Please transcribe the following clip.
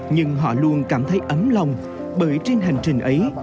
nhưng họ luôn cảm thấy ấm lòng bởi trên hành trình ấy